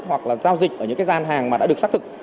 hoặc là giao dịch ở những cái gian hàng mà đã được xác thực